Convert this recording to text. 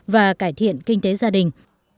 và cải thiện kinh tế gia đình